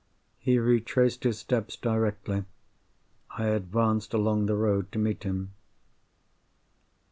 He retraced his steps directly. I advanced along the road to meet him.